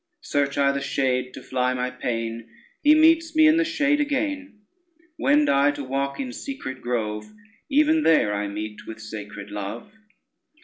Search I the shade to fly my pain, He meets me in the shade again; Wend I to walk in secret grove, Even there I meet with sacred Love.